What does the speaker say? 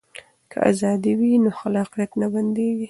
که ازادي وي نو خلاقیت نه بنديږي.